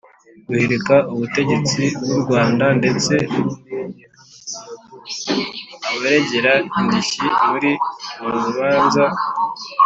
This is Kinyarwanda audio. Guhirika ubutegetsi bw’u Rwanda, ndetse abaregeraindishyi muri uru rubanza